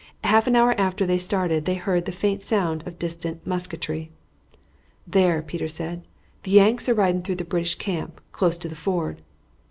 Half an hour after they had started they heard the faint sound of distant musketry. "There," Peter said, "the Yanks are riding through the British camp, close to the ford."